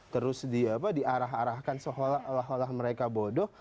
terus diarah arahkan seolah olah mereka bodoh